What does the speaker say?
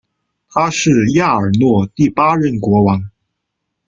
他是亚尔诺第八任国王。